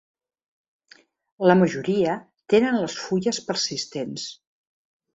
La majoria tenen les fulles persistents.